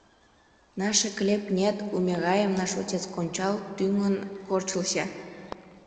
— Наше клеп нет... умираем... наш отец кончал, тӱҥын... корчился...